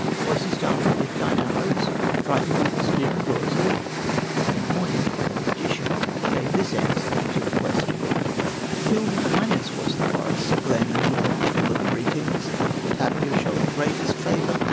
Was he startled with thine arrows, Frightened with the spear and broadsword?" Wainamoinen, the magician, Gave this answer to the question: "Filled with kindness was the forest, Glen and woodland full of greetings, Tapio showing greatest favor.